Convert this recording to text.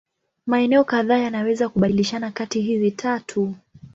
Maeneo kadhaa yanaweza kubadilishana kati hizi tatu.